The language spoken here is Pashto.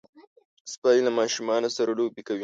سپي له ماشومانو سره لوبې کوي.